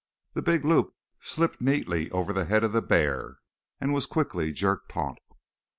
The big loop slipped neatly over the head of the bear and was quickly jerked taut.